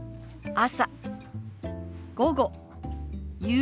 朝。